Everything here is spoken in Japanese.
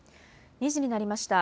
２時になりました。